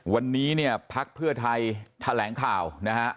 วันนี้เนี่ยพักเพื่อไทยแถลงข่าวนะฮะ